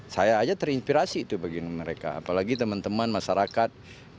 saya aja terinspirasi itu bagi mereka apalagi teman teman masyarakat